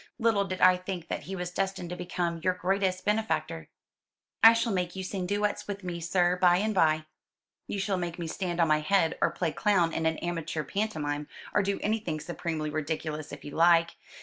Little did I think that he was destined to become your greatest benefactor." "I shall make you sing duets with me, sir, by and by." "You shall make me stand on my head, or play clown in an amateur pantomime, or do anything supremely ridiculous, if you like.